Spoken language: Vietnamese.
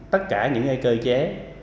tất cả những cơ chế